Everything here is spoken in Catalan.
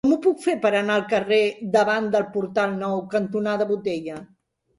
Com ho puc fer per anar al carrer Davant del Portal Nou cantonada Botella?